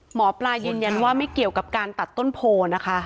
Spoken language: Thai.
หมอปลายืนยันว่าไม่เกี่ยวกับการตัดต้นโพนะคะ